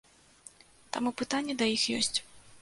Таму пытанні да іх ёсць.